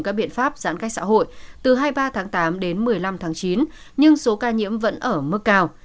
các biện pháp giãn cách xã hội từ hai mươi ba tháng tám đến một mươi năm tháng chín nhưng số ca nhiễm vẫn ở mức cao